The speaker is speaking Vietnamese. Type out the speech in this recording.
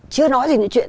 chưa nói gì những chuyện